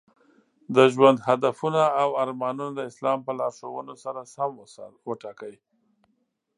د ژوند هدفونه او ارمانونه د اسلام په لارښوونو سره سم وټاکئ.